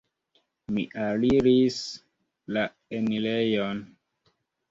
Mi aliris la enirejon.